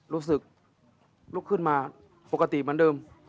รู้สึกลุกขึ้นมาปกติเหมือนเดิม